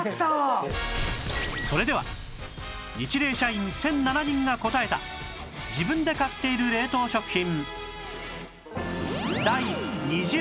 それではニチレイ社員１００７人が答えた自分で買っている冷凍食品